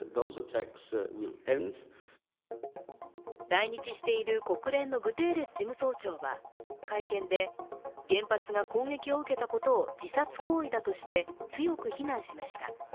来日している国連のグテーレス事務総長は会見で、原発が攻撃を受けたことを自殺行為だとして強く非難しました。